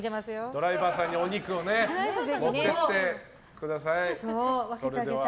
ドライバーさんにお肉を分けてあげてください。